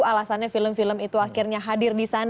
alasannya film film itu akhirnya hadir di sana